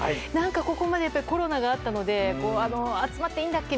ここまでコロナがあったので集まっていいんだっけ？